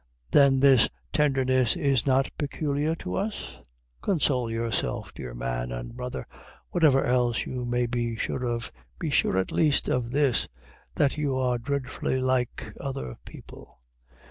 Then this tenderness is not peculiar to us? Console yourself, dear man and brother, whatever else you may be sure of, be sure at least of this, that you are dreadfully like other people.